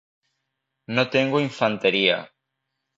No tengo infantería.